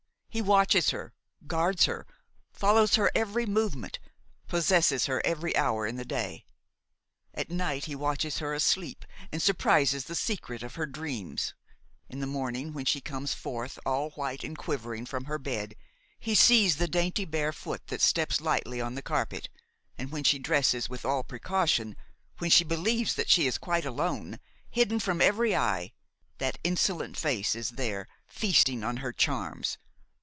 He watches her, guards her, follows her every movement, possesses her every hour in the day! At night he watches her asleep and surprises the secret of her dreams; in the morning, when she comes forth, all white and quivering, from her bed, he sees the dainty bare foot that steps lightly on the carpet; and when she dresses with all precaution–when she believes that she is quite alone, hidden from every eye–that insolent face is there, feasting on her charms!